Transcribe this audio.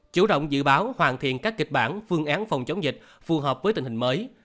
chủ động dự báo hoàn thiện các kịch bản phương án phòng chống dịch phù hợp với tình hình mới